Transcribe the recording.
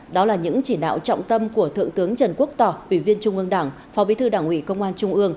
đó là những chỉ đạo trọng tâm của thượng tướng trần quốc tỏ ủy viên trung ương đảng phó bí thư đảng ủy công an trung ương